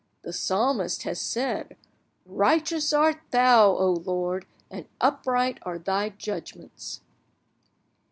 The Psalmist has said, 'Righteous art Thou, O Lord, and upright are Thy judgments.